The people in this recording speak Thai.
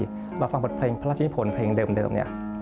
เราฟังบทเพลงพระราชนิพลเพลงเดิมเนี่ย